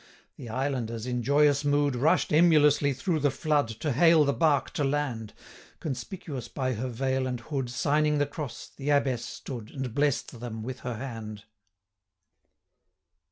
The islanders, in joyous mood, Rush'd emulously through the flood, 210 To hale the bark to land; Conspicuous by her veil and hood, Signing the cross, the Abbess stood, And bless'd them with her hand.